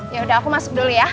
yaudah aku masuk dulu ya